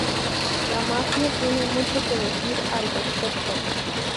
La Mafia tiene mucho que decir al respecto.